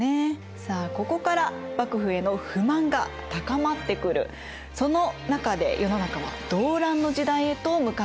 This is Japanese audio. さあここから幕府への不満が高まってくるその中で世の中は動乱の時代へと向かっていきます。